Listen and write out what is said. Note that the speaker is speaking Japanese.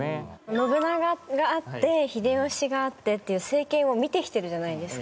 信長があって秀吉があってっていう政権を見てきてるじゃないですか。